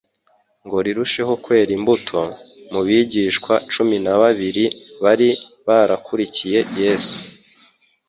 ngo rirusheho kwera imbuto.» Mu bigishwa cumi na babiri bari barakurikiye Yesu,